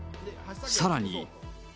さらに。